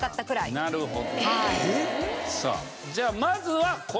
なるほど。